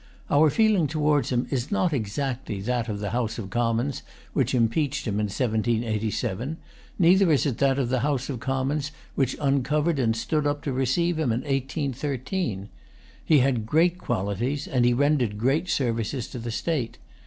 Our feeling towards him is not exactly that of the House of Commons which impeached him in 1787; neither is it that of the House of Commons which uncovered and stood up to receive him in 1813. He had great qualities, and he rendered great services to the state.